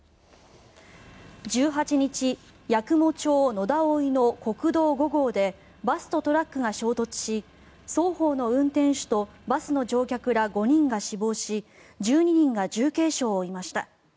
１８日、八雲町野田生の国道５道でバスとトラックが衝突し双方の運転手とバスの乗客ら５人が死亡し１２人が重軽傷を負いました。